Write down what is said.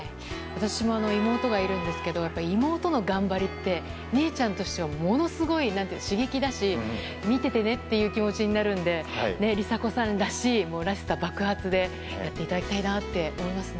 私も妹がいるんですけど妹の頑張りって姉ちゃんとしてはものすごい刺激だし見ててねっていう気持ちになるので梨紗子さんらしさ爆発でやっていただきたいと思いますね。